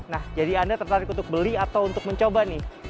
nah jadi anda tertarik untuk beli atau untuk mencoba nih